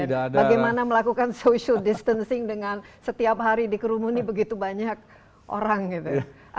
dan bagaimana melakukan social distancing dengan setiap hari dikerumuni begitu banyak orang gitu